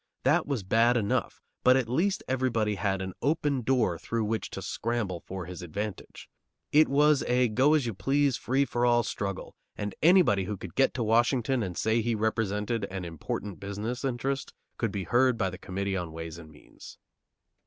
That was bad enough, but at least everybody had an open door through which to scramble for his advantage. It was a go as you please, free for all struggle, and anybody who could get to Washington and say he represented an important business interest could be heard by the Committee on Ways and Means.